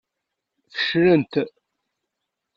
Feclent.